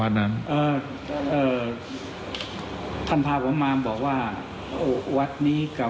วัดนี้กับวัดบางเกลือบางสมัครเป็นวัดเดียวกัน